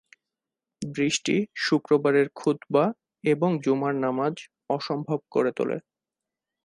বৃষ্টি শুক্রবারের খুতবা এবং জুমার নামাজ অসম্ভব করে তোলে।